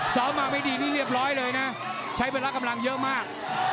ซ้อมมาไม่ดีนี่เรียบร้อยเลยนะใช้เวลากำลังเยอะมาก